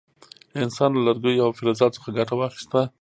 انسان له لرګیو او فلزاتو څخه ګټه واخیسته.